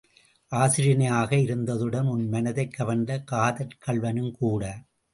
ஆசிரியனாக இருந்ததுடன் உன் மனத்தைக் கவர்ந்த காதற் கள்வனுங்கூட.